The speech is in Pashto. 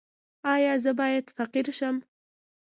ایا زه باید فقیر شم؟